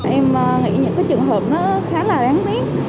em nghĩ những cái trường hợp nó khá là đáng tiếc